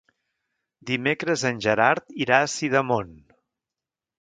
Dimecres en Gerard irà a Sidamon.